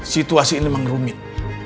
situasi ini memang rumit